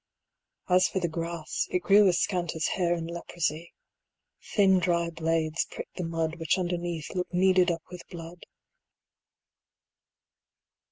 As for the grass, it grew as scant as hair In leprosy; thin dry blades pricked the mud Which underneath looked kneaded up with blood.